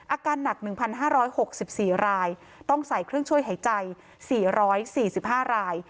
อาการหนัก๑๕๖๔รายต้องใส่เครื่องช่วยหายใจ๔๔๕ราย